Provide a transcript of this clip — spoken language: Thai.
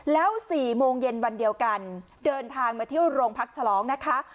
แล้ว๔โมงเย็นวันเดียวกันเดินทางมาเที่ยวโรงพักฉลองนะคะ